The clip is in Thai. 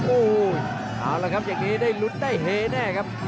โอ้โหเอาละครับอย่างนี้ได้ลุ้นได้เฮแน่ครับ